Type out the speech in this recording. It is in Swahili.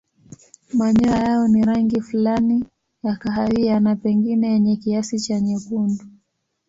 Manyoya yao ni rangi fulani ya kahawia na pengine yenye kiasi cha nyekundu.